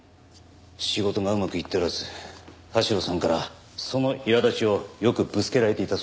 仕事がうまくいっておらず田代さんからそのいら立ちをよくぶつけられていたそうです。